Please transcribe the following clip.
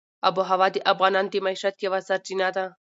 آب وهوا د افغانانو د معیشت یوه سرچینه ده.